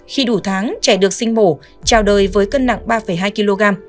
khi đủ tháng trẻ được sinh mổ trao đời với cân nặng ba hai kg